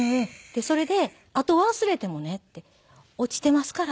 「それであと忘れてもね」って「落ちていますから」